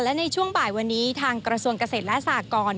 และในช่วงบ่ายวันนี้ทางกระทรวงเกษตรและสากร